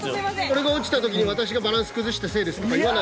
俺が落ちた時に「私がバランス崩したせいです」とか言わないと。